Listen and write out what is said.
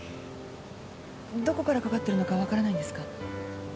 どこからかかってるのか分からないんですか？